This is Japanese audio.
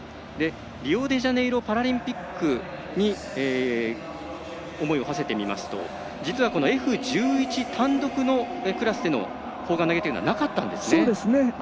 リオデジャネイロパラリンピックに思いをはせてみますと実は、Ｆ１１単独のクラスでの砲丸投げというのはなかったんですね。